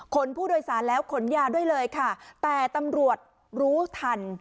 ผู้โดยสารแล้วขนยาด้วยเลยค่ะแต่ตำรวจรู้ทัน